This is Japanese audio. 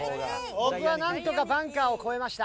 僕はなんとかバンカーを越えました。